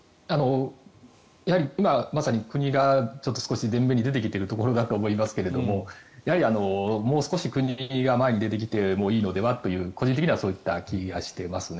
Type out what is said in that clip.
今、まさに国が少し前面に出てきているところだと思いますがやはり、もう少し国が前に出てきてもいいのではと個人的にはそういった気がしていますね。